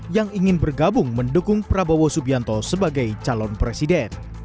yang ingin bergabung mendukung prabowo subianto sebagai calon presiden